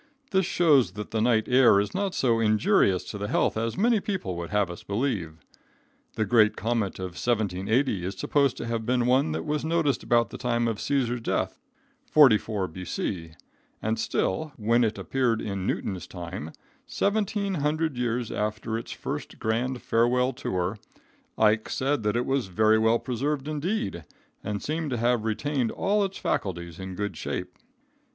This shows that the night air is not so injurious to the health as many people would have us believe. The great comet of 1780 is supposed to have been the one that was noticed about the time of Caesar's death, 44 B.C., and still, when it appeared in Newton's time, seventeen hundred years after its first grand farewell tour, Ike said that it was very well preserved, indeed, and seemed to have retained all its faculties in good shape.